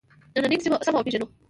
نننۍ نړۍ سمه وپېژنو.